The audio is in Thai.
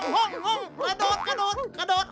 โห่งขนดุกขนดุดขนดุด